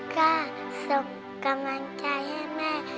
ก็ส่งกำลังใจให้แม่